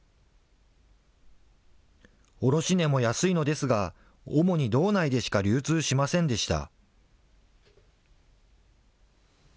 卸値も安いのですが、主に道内でしか流通しませんでした。